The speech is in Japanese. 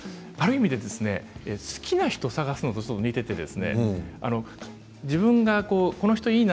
ある意味好きな人を探すことと似ています。